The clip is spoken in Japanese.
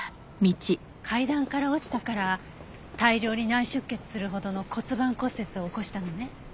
階段から落ちたから大量に内出血するほどの骨盤骨折を起こしたのね。